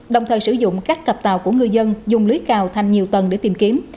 đồng thời sử dụng các cặp tàu của người dân dùng lưới cào thành nhiều tầng để tìm kiếm